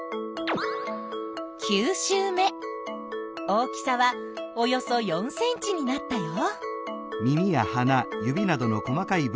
大きさはおよそ４ｃｍになったよ。